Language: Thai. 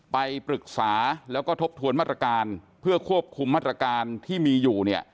ไปปรึกษาแล้วก็ทบทวนมาตรการเพื่อควบคุมมาตรการที่มีอยู่เนี่ย